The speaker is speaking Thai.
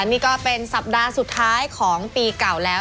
นี่ก็เป็นสัปดาห์สุดท้ายของปีเก่าแล้ว